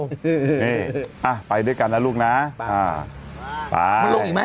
นี่นี่ไปด้วยกันล่ะลูกนะกลงยังไง